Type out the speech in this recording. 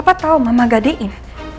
apa tau mama gadein